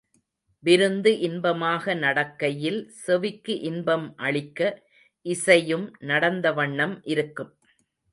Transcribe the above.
விருந்து இன்பமாக நடக்கையில் செவிக்கு இன்பம் அளிக்க இசையும் நடந்தவண்ணம் இருக்கும்.